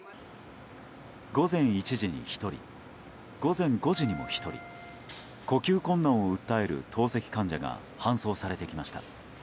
午前１時に１人午前５時にも１人呼吸困難を訴える透析患者が搬送されてきました。